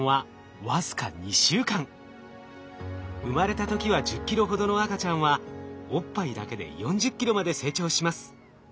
生まれた時は１０ｋｇほどの赤ちゃんはおっぱいだけで４０ｋｇまで成長します。